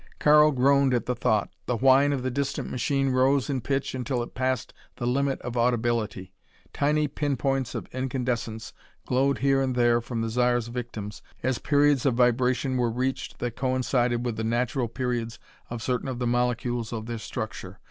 Karl groaned at the thought. The whine of the distant machine rose in pitch until it passed the limit of audibility. Tiny pin points of incandescence glowed here and there from the Zar's victims as periods of vibration were reached that coincided with the natural periods of certain of the molecules of their structure.